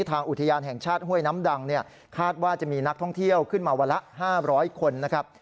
อุทยานแห่งชาติห้วยน้ำดังเนี่ยคาดว่าจะมีนักท่องเที่ยวขึ้นมาวันละ๕๐๐คนนะครับ